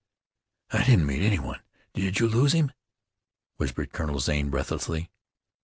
"I didn't meet any one. Did you lose him?" whispered Colonel Zane breathlessly.